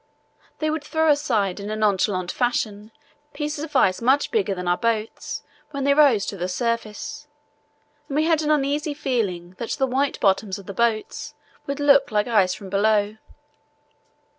They would throw aside in a nonchalant fashion pieces of ice much bigger than our boats when they rose to the surface, and we had an uneasy feeling that the white bottoms of the boats would look like ice from below.